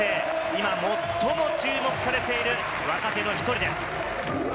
今、最も注目されている若手の１人です。